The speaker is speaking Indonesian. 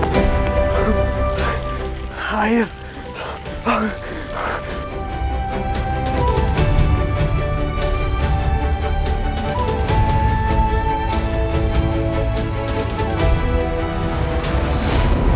jangan di tempat lain